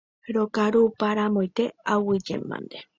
Rokaruparamoite, aguyjemante.